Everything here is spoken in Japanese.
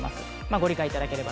ご理解いただければ。